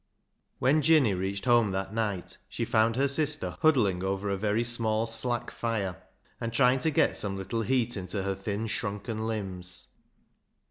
When Jinny reached home that night, she found her sister huddling over a very small slack fire, and trying to get some little heat into her thin shrunken limbs.